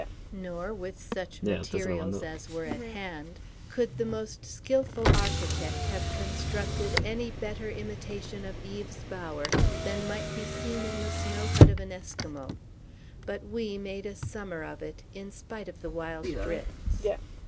Nor, with such materials as were at hand, could the most skilful architect have constructed any better imitation of Eve's bower than might be seen in the snow hut of an Esquimaux. But we made a summer of it, in spite of the wild drifts.